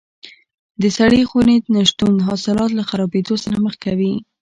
د سړې خونې نه شتون حاصلات له خرابېدو سره مخ کوي.